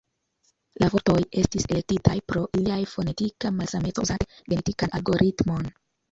La vortoj estis elektitaj pro ilia fonetika malsameco uzante genetikan algoritmon.